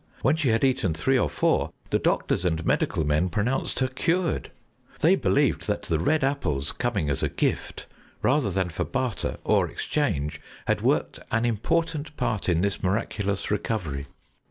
When she had eaten three or four, the doctors and medical men pronounced her cured; they believed that the red apples coming as a gift, rather than for barter or exchange, had worked an important part in this miraculous recovery.